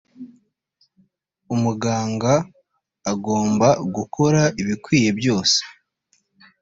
umuganga agomba gukora ibikwiye byose.